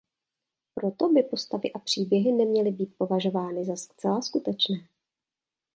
Proto by postavy a příběhy neměly být považovány za zcela skutečné.